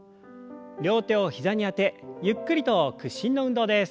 両手を膝にあてゆっくりと屈伸の運動です。